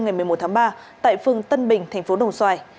tại phương tân bình thành phố đồng xoài